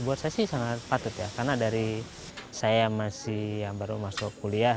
buat saya sih sangat patut ya karena dari saya masih yang baru masuk kuliah